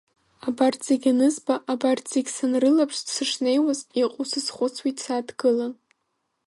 Абарҭ зегь анызба, абарҭ зегь санрылаԥш, сышнеиуаз, иҟоу сазхәыцуеит сааҭгылан…